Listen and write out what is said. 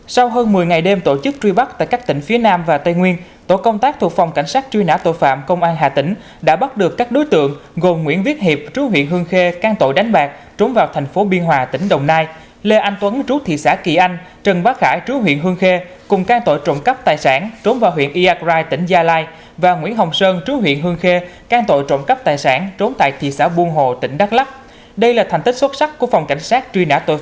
sau hơn một mươi ngày đêm tổ chức truy bắt tại các tỉnh phía nam và tây nguyên tổ công tác thuộc phòng cảnh sát truy nã tội phạm công an hà tĩnh đã bắt được các đối tượng gồm nguyễn viết hiệp trú huyện hương khê can tội đánh bạc trốn vào thành phố biên hòa tỉnh đồng nai lê anh tuấn trú thị xã kỳ anh trần bác khải trú huyện hương khê cùng can tội trộm cắp tài sản trốn vào huyện iacrai tỉnh gia lai và nguyễn hồng sơn trú huyện hương khê can tội trộm cắp tài sản tr